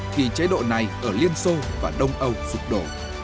khi chế độ này ở liên xô và đông âu sụp đổ